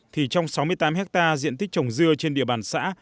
thì trong sáu mươi tám hectare diện tích trồng dưa trên địa bàn xã